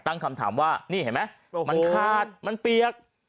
ตั้งคำถามว่านี่เห็นไหมมันขาดมันเปียก